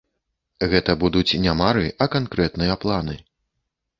Гэта будуць не мары, а канкрэтныя планы.